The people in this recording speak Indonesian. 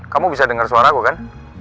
kamu bisa denger suara aku kan